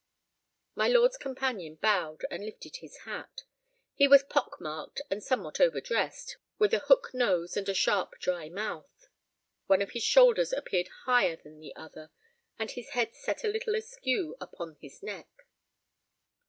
My lord's companion bowed and lifted his hat. He was pock marked and somewhat overdressed, with a hook nose and a sharp, dry mouth. One of his shoulders appeared higher than the other, and his head set a little askew upon his neck.